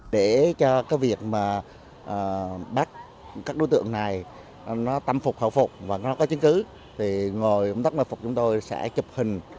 để cho cái việc mà bắt các đối tượng này nó tâm phục hậu phục và nó có chứng cứ thì ngồi ông tắc mạc phục chúng tôi sẽ chụp hình